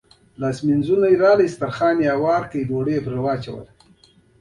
خبر چې افسر ته څوک لاس نه شي وروړلی.